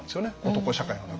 男社会の中で。